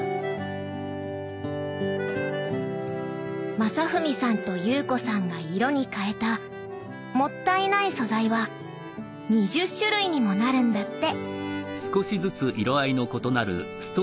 将史さんと裕子さんが色に変えた「もったいない」素材は２０種類にもなるんだって。